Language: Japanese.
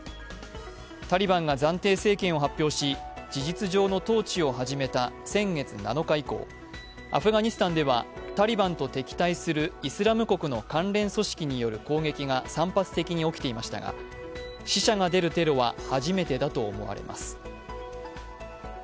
タリバンが暫定政権を発表し、事実上の統治を始めた先月７日以降、アフガニスタンではタリバンと敵対するイスラム国の関連組織による攻撃が散発的に起きていましたが、死者が出るテロは初めてだと思われます。